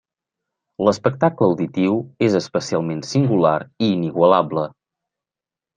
L'espectacle auditiu és especialment singular i inigualable.